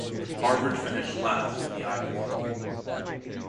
Harvard finished last in the Ivy League.